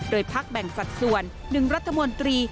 โดยพักแบ่งสัดส่วน๑รัฐมนตรี